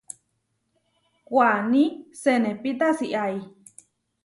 Waní senepí tasiái.